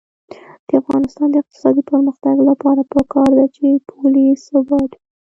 د افغانستان د اقتصادي پرمختګ لپاره پکار ده چې پولي ثبات وي.